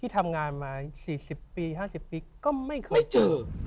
ทำงานมา๔๐๕๐ปีก็ไม่เจอ